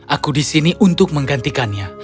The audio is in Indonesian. aku di sini untuk menggantikannya